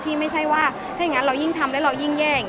ไม่ใช่ว่าถ้าอย่างนั้นเรายิ่งทำแล้วเรายิ่งแย่ง